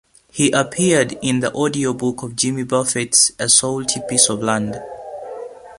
He appeared in the audiobook of Jimmy Buffett's "A Salty Piece of Land".